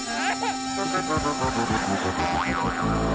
อ้าว